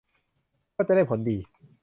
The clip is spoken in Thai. ก็จะได้ผลดี